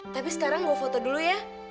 tapi sekarang mau foto dulu ya